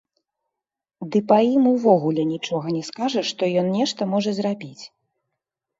Ды па ім увогуле нічога не скажаш, што ён нешта можа зрабіць.